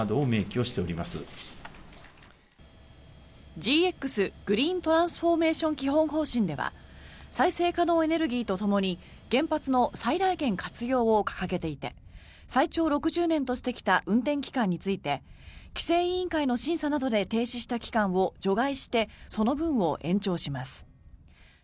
ＧＸ・グリーントランスフォーメーション基本方針では再生可能エネルギーとともに原発の最大限活用を掲げていて最長６０年としてきた運転期間について規制委員会の審査などで停止した期間を除外してその分を延長します。